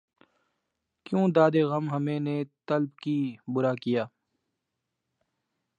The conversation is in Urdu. کیوں دادِ غم ہمیں نے طلب کی، بُرا کیا